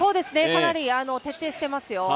かなり徹底してますよ。